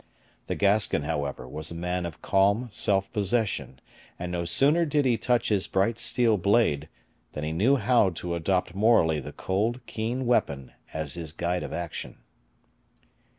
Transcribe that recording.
The Gascon, however, was a man of calm self possession; and no sooner did he touch his bright steel blade, than he knew how to adopt morally the cold, keen weapon as his guide of action.